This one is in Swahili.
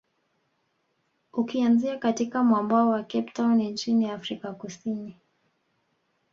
Ukianzia katika mwambao wa Cape Town nchini Afrika kusini